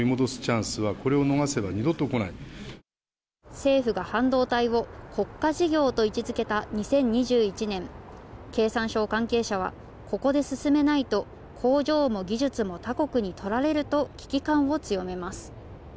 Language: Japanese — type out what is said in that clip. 政府が半導体を国家事業と位置付けた２０２１年、経産省関係者は、ここで進めないと工場も技術も他国に取られると危機感を強めます。